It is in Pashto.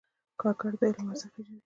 کاکړ د علم ارزښت پېژني.